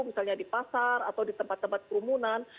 misalnya di pasar atau di tempat tempat kerumunan